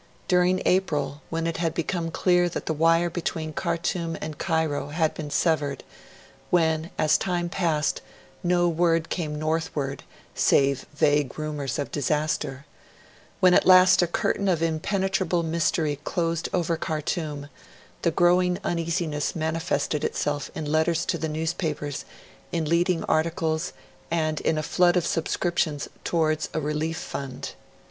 During April, when it had become clear that the wire between Khartoum and Cairo had been severed; when, as time passed, no word came northward, save vague rumours of disaster; when at last a curtain of impenetrable mystery closed over Khartoum, the growing uneasiness manifested itself in letters to the newspapers, in leading articles, and in a flood of subscriptions towards a relief fund.